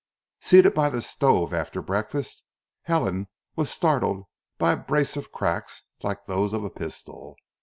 Seated by the stove after breakfast, Helen was startled by a brace of cracks like those of a pistol.